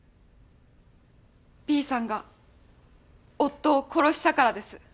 Ｂさんが夫を殺したからです。